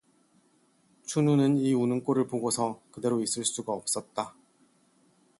춘우는 이 우는 꼴을 보고서 그대로 있을 수가 없었다.